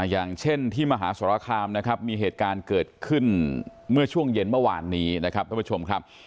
อย่างเช่นที่มหาศรภารมมีเหตุการณ์เกิดขึ้นเมื่อช่วงเย็นเมื่อวานนี้นะครับ